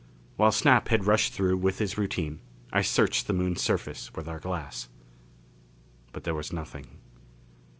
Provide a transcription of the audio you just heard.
While Snap had rushed through with his routine, I searched the Moon's surface with our glass. But there was nothing.